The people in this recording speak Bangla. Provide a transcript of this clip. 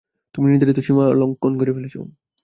তুমি নির্ধারিত সীমা লঙ্খণ করে ফেলছো!